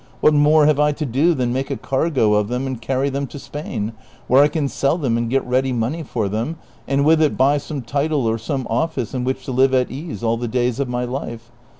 What more have I to do than make a cargo of them and carry them to Spain, where I can sell them and get ready money for them, and with it buy some title or some office in which to live at ease all the days of my life